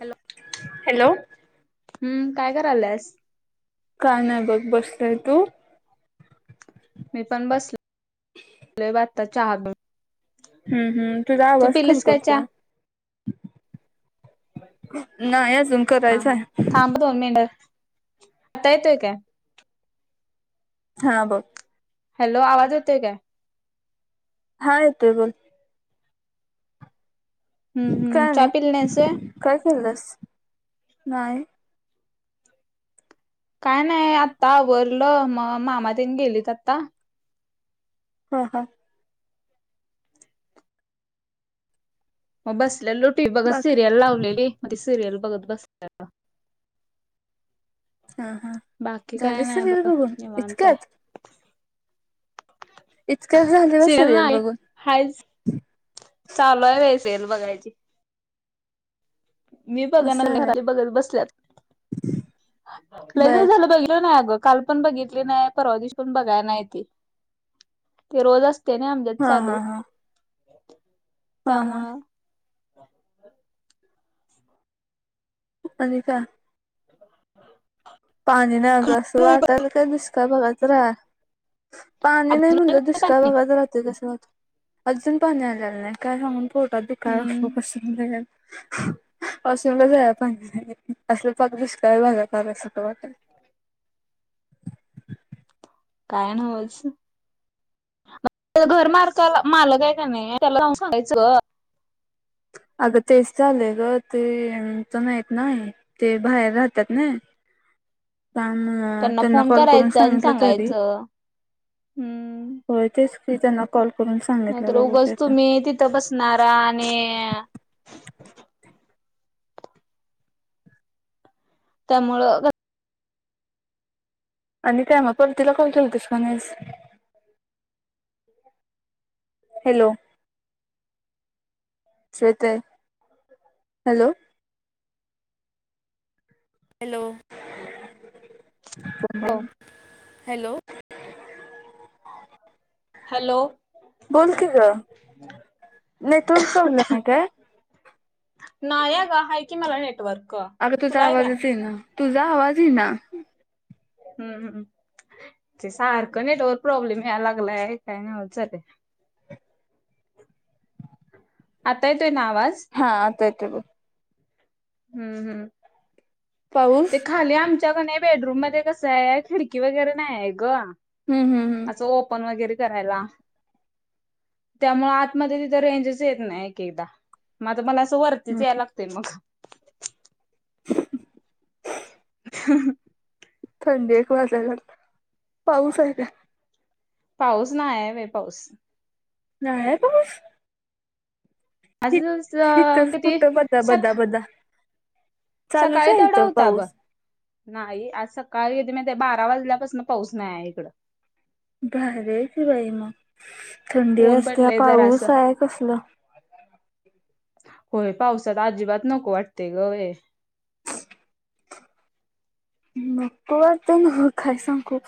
Hello hello. हम्म, काय कराल्यास? काय नाही बघ, बसलोय तू? मी पण बसलोय बघ आत्ता चहा पिऊन. हम्म हम्म तुझा तू आवाज पिलीस काय चहा? खरखरतोय नाही अजून हा हा करायचंय थांबतो दोन मिंनट, आता येतोय काय? हा बग. हॅलो आवाज होतोय काय? हा येतोय बोल. हम्म, हम्म, काय चहा नाही पिली नाहीस होय. काय खाल्यास, नाही. काय नाही आत्ता वरलं, म मामातेन गेलीत आता. हा, हा मग बसल्यालो टीव्ही बघत, बाकी सिरियल लावलेली, म सिरियल बघत बसलेलो. हा, हा. बाकी काय झाले नाही सिरियल बग, बघून निवांत हाय. इतक्यात इतक्यात झाल होय सिरीयल बघून. हाईच, चालू हाय बाई सिरीयल बघायची. मी बघना असं आहे घरातली बघत बसल्यात. लई व्हय दिवस बर झाल बघितलं नाही आग काल पण बघितली नाही, परवा दिवशी पण बघाय नाहीं ती रोज असते नई आम हा, हा, हा. हा हा त्यामुळं. आणि काय. पाणी नाही अगं, असं वाटायला काय दुष्काळ भागातच का रा पाणी नाही अजून म्हणलं, दुष्काळ पाणी भागात राहते कसे आता. अजून पाणी आलेला नाही, काय सांगून पोटात दुकालय म्हणून हम्म बसलोय. वॉशरूमला जायला पाणी नाही, अस पाक दुष्काळ भाघात आल्या सारखं वाटायला लागले. काय नव्हच. घर मालकाला मालक हाय काय का नाही त्याला जाऊन सांगायचं गं. अगं तेच चालेय ग ते तर नाहीत नाही ते बाहेर राहतात ना पम त्यांना फोन कॉल करून करायचा आणि सांगितलं तरी. सांगायचं हम्म होय तेच की त्यांना कॉल करून सांगितलं नाहीतर बघूया उगच आता. तुम्ही तिथं बसणारा आणि त्यामुळं, आणि काय म परतीला कॉल केला होतेस का नाहीस हॅलो! श्वेते हॅलो! Hello hello hello! बोल की ग नेटवर्कर प्रोब्लेम आहे काय. नाहीय अग आहे की मला नेटवर्क. अगं तुझा तुला काय? आवाजच आहे ना तुझा आवाज ईना. हम्मम्म, ते सारखं नेटवर्क प्रॉब्लेम लागलाय काय नव्हचं बाई. आताय येतो ना आवाज. हा आता येतोय. हम् हम्म पाऊस ते खाली आमच्याकडे बेडरूम आहे खिडकी वगैरे नाही आहे गं हम्म हम्म हम्म असं ओपन वगैरे करायला. त्यामुळें आत मध्ये तिथं रेंजच येत नाही एक एकदा मगता मला असं वरतीच हम्म. यायला लागतंय मग, ह [unintelligible] थंडी एक वाजायला लागली पाऊस आहे. पाऊस नाही आहे बाइ पाऊस नाही आहे पाऊस! आज अं, हितच किती फक्त बदा, सक बदा, बदा चालूच सकाळी आहे तेवडा इथं होता ब पाऊस. नाही आज सकाळी येते मा बारा वाजल्यापासून पाऊस नाही आहे इकडं भारी हाय की बाई मग थंडी ऊन वाजते पडलंय पाऊस जरासं आहे कसला होय पावसात अजिबात नको वाटतेय गं बाई. नको वाटतंय नव्ह काय सांगू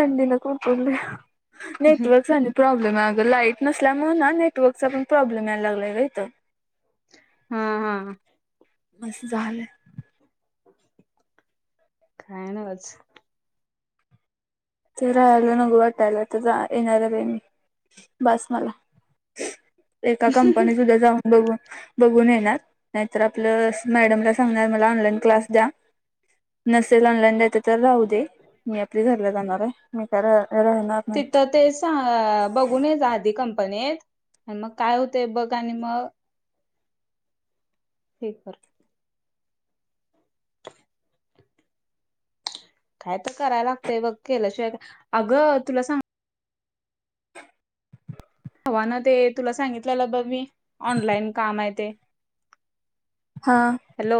थंडीला कुडकुडलं नेटवर्कचा आणि प्रॉब्लेम आहे अगं लाईट नसल्यामुळे ना नेटवर्कचा पण प्रॉब्लेम यायला लागलाय बाई. हा हा मस झालं. काय नव्हचं. इथं राहायला नको वाटायला तर येणार रे मी बस मला एका कंपनी सुद्धा जाऊ बघ बघून येणार नाहीतर आपलं मॅडमला सांगणार मला ऑनलाईन क्लास द्या. नसेल ऑनलाईन द येत तर राहू दे मी आपली घरला जाणार आहे मी काय राहणार नाही तिथं तेच सां बघून येजा आधी कंपनीत आणि मग काय होतंय बघ आणि मग कर [unintelligible] काय तर कराय लागतय बघ केल्याशिवाय काय अगं तुला सांग ते ना ते तुला सांगितलेलं बघ मी ऑनलाईन काम आहे ते. हा हॅलो,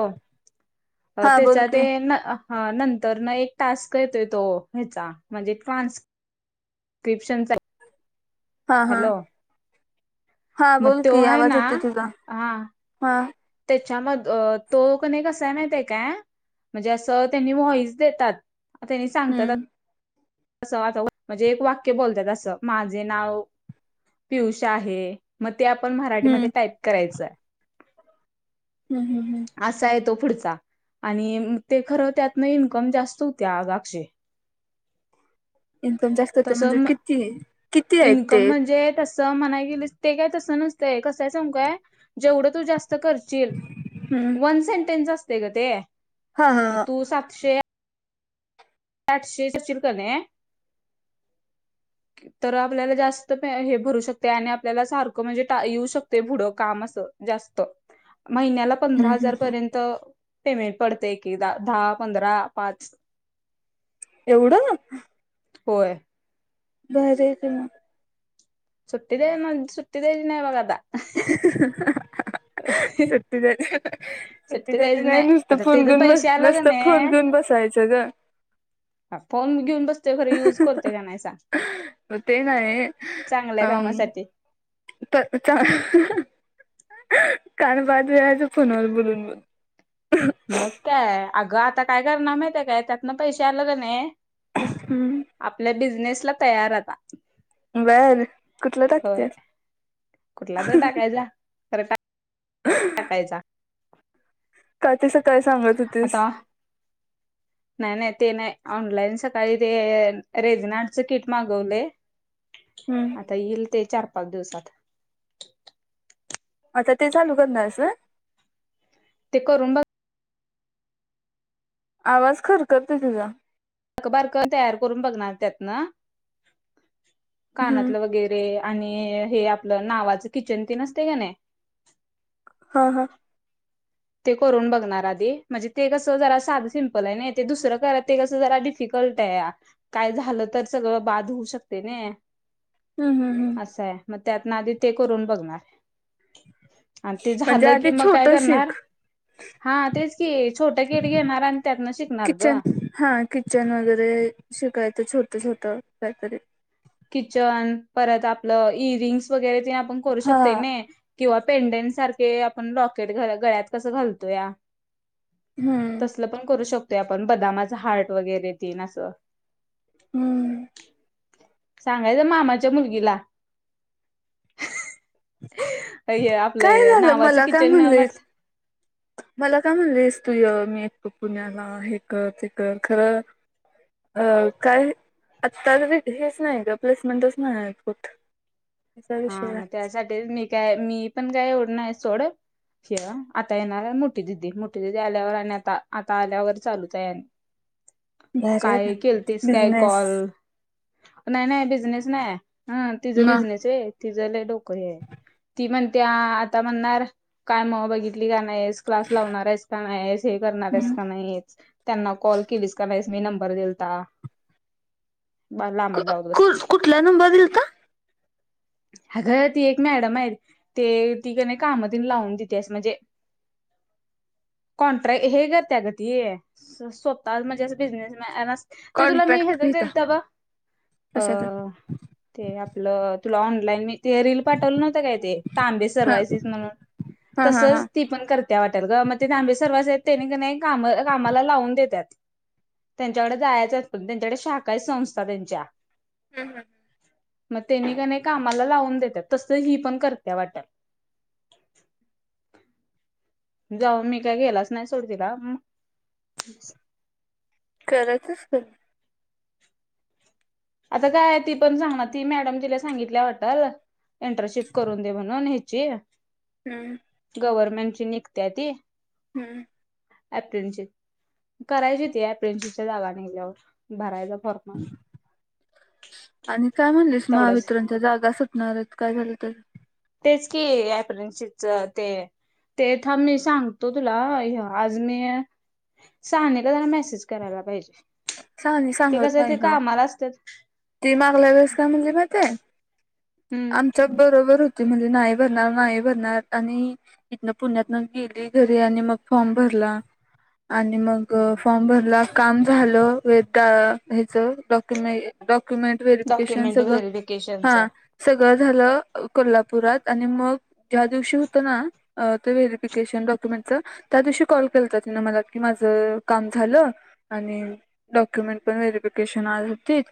हा बोल त्याचा की ते ना. हा नंतर ना एक टास्क येतोय तो, ह्याचा म्हणजे ट्रान्स [unintelligible] जय हा हा हा, मग बोल तो की आहे आवाज ना येतोय तुझा हा त्याच्या मध तो कनी कस हाय माहीत आहे काय,, म्हणजे, असं त्यांनी वॉईस देतात? त्यांनी सांगतात. हम्म आता म्हणजे, एक वाक्य बोलत्यात असं माझे नाव पियुष आहे. मग ते, आपण मराठीमध्ये हम्म टाईप करायचं आहे. हम्म हम्म ह असा आहे तो पुढचा, आणि ते खरं त्यातनं इन्कम जास्त होतय आग अक्षे इन्कम जास्त होत म्हणजे किती किती आहेत ते? [unintelligible] च म्हणाय गेलीस ते, काय तसं नसतंय कसं हाय सांगू काय जेवढं तू जास्त कर शील हम्म वन सेन्टेन्स असतय ग ते, हा हा म हा तू सातशे आठशे करशील कनी. तर आपल्याला जास्त हे भरू शकते, आणि आपल्याला सारखं म्हणजे येऊ शकते पुुढं काम असं जास्त. महिन्याला पंधरा हम्म हजार हम्म पर्यंत त पेमेंट पडतय एकेकदा दहा, पंधरा, पाच एवढं होय.? भारी आहे की मग सुट्टी द्याय नाही, सुट्टी द्यायची नाही बग आता [inaudible] सुट्टी द्यायची सुट्टी द्यायची नाही नुसत आता फोन त्याच घेऊन बस पैसे आलं का नुसतं फोन नाही घेऊन बसायचं. च ग फोन घेऊन बसतोय, खर युज करतोय काय नाही सांग मग ते नाही चांगल्या कामासाठी. कान बाद व्हायचं फोनवर बोलून बोलून, मग काय अगं आता काय करणार माहित आहे काय त्यातन पैसे आले का नाही. हम्म, आपल्या बिझनेसला तयार आता? बर कुठलं होय, टाकतेस कुठला तर टाकायचा. खरं का टाकायचा. काय ते सकाळी सांगत होतीस. आता नाही नाही, ते नाही ऑनलाईन सकाळी ते रेजनाडचं किट मागवलय [inaudible] हम्म आता येईल ते चार, पाच दिवसात आता ते चालू करणार हाईसा. ते करून आवाज खरखरतय तुझा बारक तयार करून बघणार त्यातन, हम्म कानातलं वगैरे रे आणि हे आपलं नावाचं किचन तेन असतय कनी हं हं. ते करून बघणार आधी. म्हणजे ते कसं जरा साधं सिंपल आहे नाही, ते दुसरं करा ते कसं जरा डिफ फिकल्ट आहे. काय झालं तर सगळं बाद होऊ शकतय नाय. हं हं हं. असंये. मग त्यातन आधी ते करून बघणार. आन ते म्हणजे झालं की आधी मग काय छोट करणार शिक हा तेच की. छोट किट घेणार आणि त्यातनं शिकणार ग. किचन हा किचन वगैरे शिकायचं छोटं छोटं काहीतरी. किचन, परत आपलं इरिंग्स वगैरे तेन आपण करू हा शकते नही. किंवा पेंडेंन सारखे आपण लॉकेट गळ्यात कसं घालतो या हम्म तसल पण करू शकतोय आपण. बदामाच हार्ट वगैरे तेन असं. हं. सांगायचं मामाच्या मुलगीला. हे काय आपलं झालं नावाचं मला काय किचन म्हणलीस म्हटलं मला काय म्हणलंस तूय मी येतो पुण्याला. हे कर ते कर खरं. अ काय आता तरी हेच नाही ग प्लेसमेंटच नाही कुठं. हा म त्यासाठी मी काय मी पण काय एवढं नाही सोड. किवा आता येणार मोठी दिदी. मोठी दीदी आल्यावर आणि आता आता आल्यावर चालूत आहे आणि. भारी आहे बाई काय केलतीस काय बिझनेस कॉल? नाही नाही बिझनेस नाही. हं तिझ म बिझनेस हे. तिज लई डोक हे आहे. ती म्हणते आ आता म्हणणार काय म बघितलीस का नाही क्लास लावणार आहेस का नाय? हे करणार आहेस का नाही? त्यांना कॉल केलीस का नाहीस? मी नंबर देलता, पार लांबन लवास बसते. तुला नंबर दिलता? अगं ती एक मॅडम आहे, ते ति क नाही काम तेन देते लावून देते. म्हणजे कॉन्ट्रॅक्ट हे करते ग ती स्वतः म्हणजे अस बिझनेसमॅन अस ते तुला मी हे कॉन्ट्रॅक्ट देलते घेता तवा, अ कशाचा ते आपलं तुला ऑनलाईन मी ते रील पाठवलं नव्हतं काय ते? तांबे हा सर्वायसीस म्हणून. हा हा तसच हा ती पण करत्या वाटल ग. मग ते तांबे सर्वसच आहेत तेनि की नही काम कामाला लावून देतात. त्यांच्याकडे जायचं असतं. प त्यांच्याकडे शाखाहे संस्था त्यांच्या. हं हं. म तेनी का नाही कामाला लावून देतात. तसल ही पण करते वाटल. जाऊन मी काय गेलाच नाही, सोड तिला. करत असेल. आता काय ती पण सांगणार ती मॅडम तिला सांगितल्या वाटल. इंटर्नशिप करून दे म्हणून ह्याची, हं हं. गव्हर्नमेंट ची निघत्या ती. हं. अप्रेनशिप. करायची होती ऍप्रेंशिपच्या जागा निगल्यावर. भरायचा फॉर्मा न आणि काय म्हणलीस तेवढंच महावितरणच्या जागा सुटणारयत काय झालं त्यात? तेच की ऍप्रनशिपच ते ते थांब मी सांगतो तुला ह्य आज मी सानीला जरा मेसेज करायला पाहिजे सानी ते सांगत कसंय ते नाही ग कामाला असत्यात ती मागला वेळेस काय म्हणली माहितेयं? हम्म आमच्यात बरोबर होती म्हणली नायी भरणार नायी भरणार आणि इथं न पुण्यातं गेली घरी आणि मग फॉर्म भरला, आणि मग ग फॉर्म भरला काम झालं वे त्या हेच डॉक्युमें डॉक्युमेंट व्हेरफिकेशन डॉक्युमेंट सगळ व्हेरिफिकेशनच हां सगळं झालं कोल्हापुरात आणि मग ज्या दिवशी हुतं नां ते व्हेरीफिकेशन डॉक्युमेंटच त्यादिवशी काॅल केलता तिनं मला की माझं काम झालं आणि डॉक्युमेंट पण व्हेरीफिकेशन आज होतीत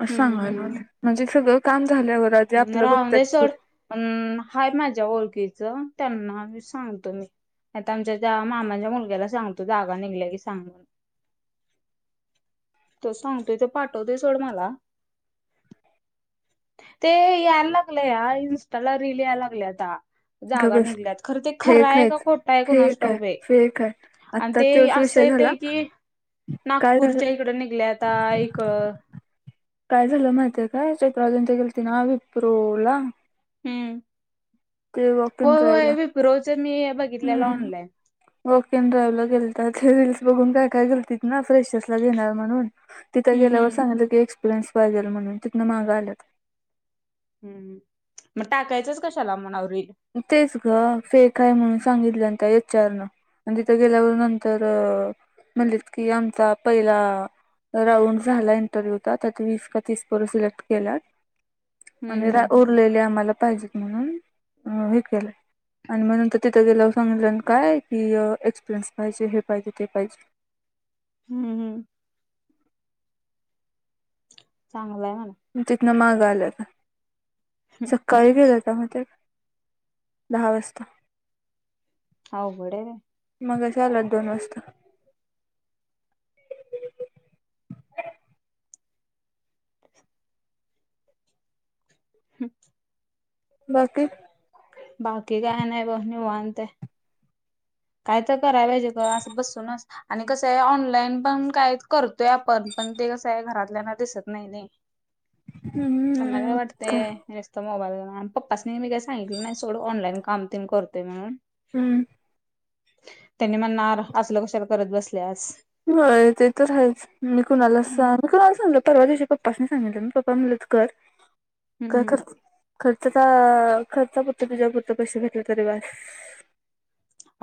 असं सांगाय लागलेली. म्हणजे सगळं काम झाल्यावर आधी आपलं बघत्यात पोरी. पण हायतं माझ्या ओळखीच त्यांना मी सांगतो मी. आता आमच्या त्या मामांच्या मुलग्याला सांगतो जागा निघल्या की सांग [inaudible] तो सांगतोय तो पाठववतोय सोड मला. तें याय लागलंय आं इंस्टाला रील याय लागल्याता. गप जागा बस निघल्यातं खरं ते फेक खरयं का आहेच खोटायं कोणास फेक ठावूक आहे बाई फेक आहे आणि आत्ता ते तोच असं विषय झाला येतयं कि काय झालं नागपूरच्या इकडं निघल्याता एक काय झालं माहितेयं काय? चैत्राली आणि ते गेलते नां विप्रोला. हुं ते वॉक इन होय ड्राईव्ह होय ला विप्रोचे मी बघितलेला हम्म ऑनलाईन. वॉक एन डाईव्हला गेलता ते रील्स बघून काय काय गेलतीत ना फ्रेशर्सला घेणार म्हणून. तिथं हम्म गेल्यावर हम्म. सांगितलं की एक्पिरियनस पाहीजे म्हणुन तिथं माग आल्यात. हुं म टाकायचंच कशाला म्हणाव रील. तेच गं फेक हाय म्हणून सांगितलं त्या एच आर नं. आणि तिथं गेल्यावर नंतर म्हणलीत कि आमचा पहिला राऊंड झालायं इंटरव्ह्यूचा त्यात वीस का तीस पोर सिलेक्ट केल्यात. हम्म आणि रा हम्म. उरलेल्या आम्हाला पाहिजेत म्हणून हें केलंय. आणि मग नंतर तिथं गेल्यावर सांगितल्यात काय की एक्सपिरियन्स पाहिजे हे पाहिजे ते पाहिजे. हुं हुं. चांगलंयं म्हण. तिथनं माग आल्याता, संकाळी गेल्याता माहितेय? धा वाजता अवघडयं बाई. मघाशी आल्यात दोन वाजता. [inaudible] बाकी? बाकी काय नाय बघ निवांतयं. काय तर कराय पाहिजे ग असं बसूनच आणि कसयं ऑनलाईन पण काय करतोय आपण पण ते कसयं घरातल्यांना दिसत ना मी त्यांना काय वाट तय नुसतं मोबाईल घेवून आणि पप्पांसनी मी कायी सांगितलं नायी सोडं ऑनलाईन काम तेन करतोय म्हणून. हुं. त्यांनी म्हणांर आसल कशाला करत बसल्यास. होयं ते तरं आहेतं मी कुणांला हम्म. सांगीतलं असे लंच पर्वा दिवशी सांगितलं मगं पप्पां म्हणलेत करं कायं हम्म करं खर्चचा खर्च पुरतं तुझ्यां पुुरतं पैसे भेेटले तरी बांस